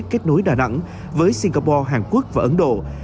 kết nối đà nẵng với singapore hàn quốc và ấn độ